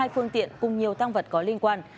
hai phương tiện cùng nhiều tăng vật có liên quan